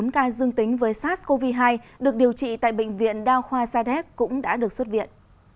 bốn ca dương tính với sars cov hai được điều trị tại bệnh viện đa khoa sadek cũng đã được xuất viện